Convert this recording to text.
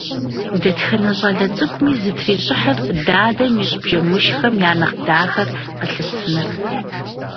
Дэтхэнэ щӀалэ цӀыкӀуми зытрищӀыхьыр дадэм ищӀ бжэмышххэм я нэхъ дахэр къылъысынырт.